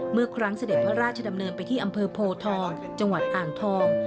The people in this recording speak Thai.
เมื่อครั้งเสด็จพระราชดำเนินไปที่อำเภอโพทองจังหวัดอ่างทอง